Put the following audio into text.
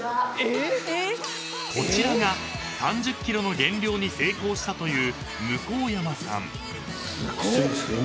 ［こちらが３０ｋｇの減量に成功したという］